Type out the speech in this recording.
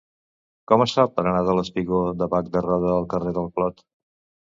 Com es fa per anar del espigó de Bac de Roda al carrer del Clot?